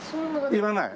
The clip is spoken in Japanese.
言わない？